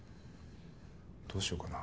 どうしようかな。